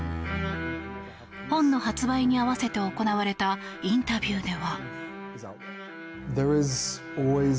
本の発売に併せて行われたインタビューでは。